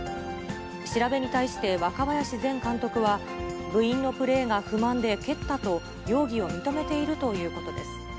調べに対して若林前監督は、部員のプレーが不満で蹴ったと容疑を認めているということです。